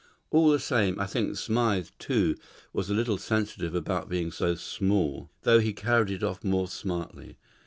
All the same, I think Smythe, too, was a little sensitive about being so small, though he carried it off more smartly.